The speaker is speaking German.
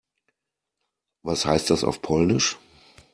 Was heißt das auf Polnisch?